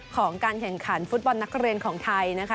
ของการแข่งขันฟุตบอลนักเรียนของไทยนะคะ